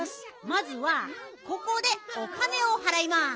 まずはここでお金をはらいます。